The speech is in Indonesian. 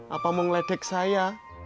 apa mau ngeledek saya